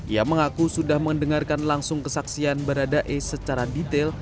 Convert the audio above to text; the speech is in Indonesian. ia mengaku sudah mendengarkan langsung kesaksian baradae secara detail